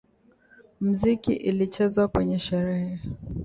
Mziki ilichezwa kwenye sherehe.